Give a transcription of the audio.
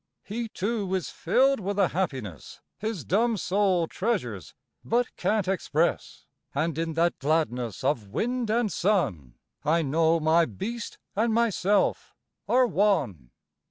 He too is filled with a happiness His dumb soul treasures but can't express, And in that gladness of wind and sun I know my beast and myself are one.